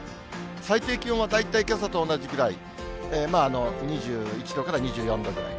最低気温は大体けさと同じぐらい、２１度から２４度ぐらい。